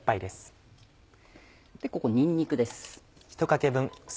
ここににんにくです。